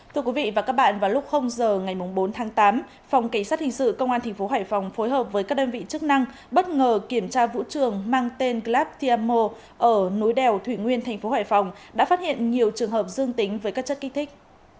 thưa quý vị và các bạn vào lúc giờ ngày bốn tháng tám phòng cảnh sát hình sự công an tp hải phòng phối hợp với các đơn vị chức năng bất ngờ kiểm tra vũ trường mang tên clap thiamo ở núi đèo thủy nguyên tp hải phòng đã phát hiện nhiều trường hợp dương tính với các chất kích thích